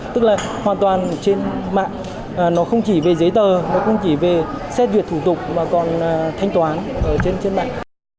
tức là hoàn toàn trên mạng nó không chỉ về giấy tờ mà không chỉ về xét duyệt thủ tục mà còn thanh toán trên mạng